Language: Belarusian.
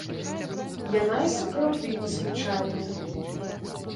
Яна і сапраўды незвычайная.